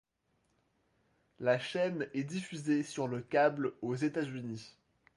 La chaîne est diffusée sur le câble aux États-Unis.